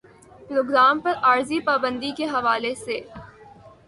programme پر عارضی پابندی کے حوالے سے